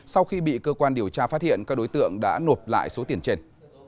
sau khi bị cơ quan điều tra phát hiện các đối tượng đã nộp lại số tiền trên